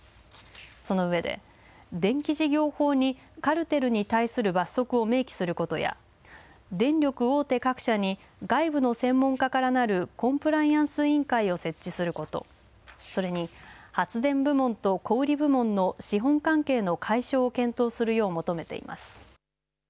そのうえで電気事業法にカルテルに対する罰則を明記することや電力大手各社に外部の専門家からなるコンプライアンス委員会を設置すること、それに発電部門と小売部門の資本関係の解消を検討するよう求めています。